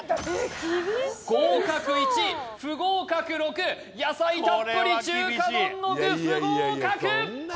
合格１不合格６野菜たっぷり中華丼の具不合格！